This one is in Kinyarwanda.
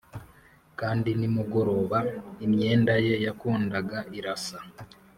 kandi nimugoroba imyenda ye yakundaga irasa